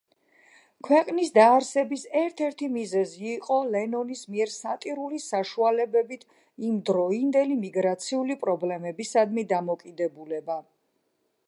ქვეყნის დაარსების ერთ-ერთი მიზეზი იყო ლენონის მიერ სატირული საშუალებით იმდროინდელი მიგრაციული პრობლემებისადმი დამოკიდებულება.